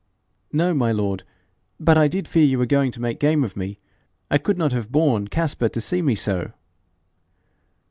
' 'No, my lord; but I did fear you were going to make game of me. I could not have borne Caspar to see me so.'